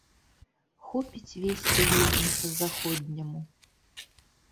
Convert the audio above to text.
Хопіць весці гульні па-заходняму.